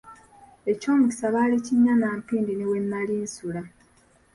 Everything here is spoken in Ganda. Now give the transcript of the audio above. Eky'omukisa baali kinnya na mpindi ne we nnali nsula.